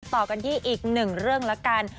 ต่อกันที่อีกหนึ่งเรื่องละกัน